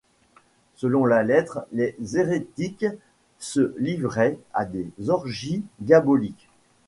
Selon la lettre, les hérétiques se livraient à des orgies diaboliques.